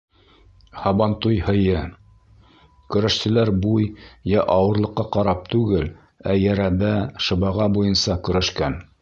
Һабантуй һыйы Көрәшселәр буй йә ауырлыҡҡа ҡарап түгел, ә йәрәбә, шыбаға буйынса көрәшкән.